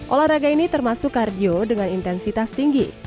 olahraga ini termasuk kardio dengan intensitas tinggi